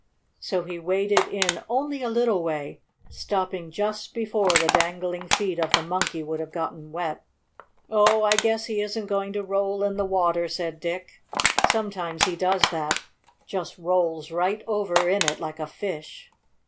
So he waded in only a little way, stopping just before the dangling feet of the Monkey would have got wet. "Oh, I guess he isn't going to roll in the water," said Dick. "Sometimes he does that just rolls right over in it like a fish."